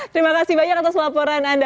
terima kasih banyak atas laporan anda